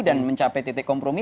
dan mencapai titik kompromi